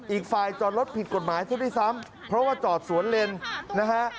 อีกฝ่ายจอดรถผิดกฎหมายซะด้วยซ้ำเพราะว่าจอดสวนเลนนะฮะ